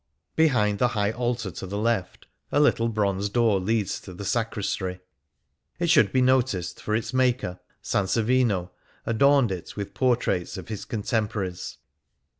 Behind the High Altar, to the left, a little bronze door leads to the sacristy. It should be noticed, for its maker, Sansovino, adorned it with portraits of his contemporaries.